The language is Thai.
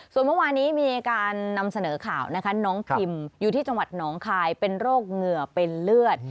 ส่วนเมื่อวานี้มีการนำเสนอข่าวนะคะน้องพิมอยู่ที่จังหวัดหนองคายเป็นโรคเหงื่อเป็นเลือด